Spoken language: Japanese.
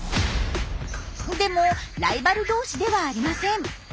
でもライバル同士ではありません。